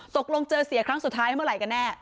ตกลงเจอเสียครั้งสุดท้ายเมื่อไหร่กันแน่